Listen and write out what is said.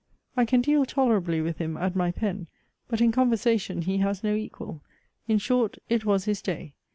I can deal tolerably with him at my pen; but in conversation he has no equal. In short, it was his day.